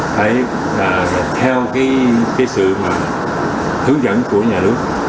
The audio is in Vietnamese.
phải theo cái sự hướng dẫn của nhà nước